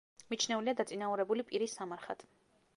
მიჩნეულია დაწინაურებული პირის სამარხად.